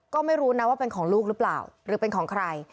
ก็ไม่รู้นะว่าเป็นของลูกหรือเปล่า